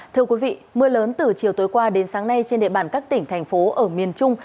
thưa quý vị mưa lớn từ chiều tối qua đến sáng nay trên địa bàn các tỉnh thành phố ở miền trung